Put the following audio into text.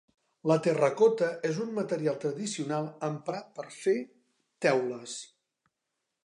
La terracota és un material tradicional emprat per fer teules.